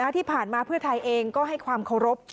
ที่ผ่านมาเพื่อไทยเองก็ให้ความเคารพ